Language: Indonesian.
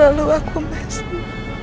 jangan marah kannan sama saya